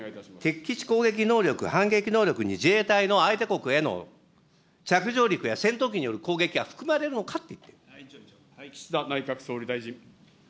敵基地攻撃能力、反撃能力に自衛隊の相手国への着上陸や戦闘機による攻撃は含まれ岸田内閣総理大臣。